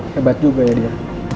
hebat juga ya dia